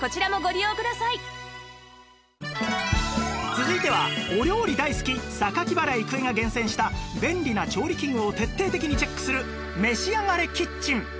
続いてはお料理大好き榊原郁恵が厳選した便利な調理器具を徹底的にチェックするめしあがれキッチン